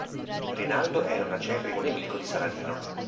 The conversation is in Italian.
Rinaldo era un acerrimo nemico di Saladino.